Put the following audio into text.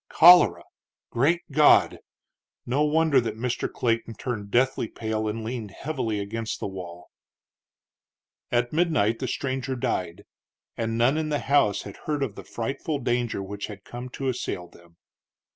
_" Cholera! Great God! No wonder that Mr. Clayton turned deathly pale and leaned heavily against the wall. At midnight the stranger died, and none in the house had heard of the frightful danger which had come to assail them.